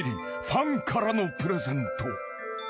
［ファンからのプレゼント］